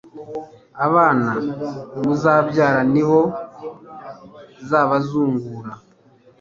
abana muzabyara nibo zababazungura